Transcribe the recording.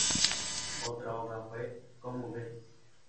Otra obra fue "¿Cómo ves?